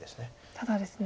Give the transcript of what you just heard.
ただですね